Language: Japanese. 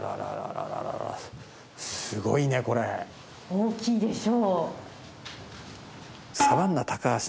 大きいでしょ？